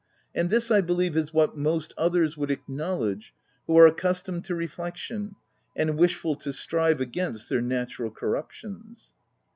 And this, I believe, is what most others would acknowledge, who are accustomed to re flection, and wishful to strive against their na tural corruptions.''